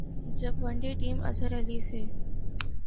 جب one day team Azhar Ali سے